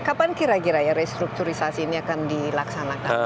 kapan kira kira ya restrukturisasi ini akan dilaksanakan